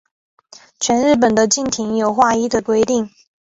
全日本的竞艇有划一的规定。